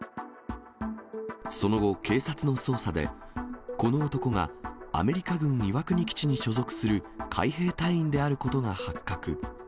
その後、警察の捜査で、この男が、アメリカ軍岩国基地に所属する海兵隊員であることが発覚。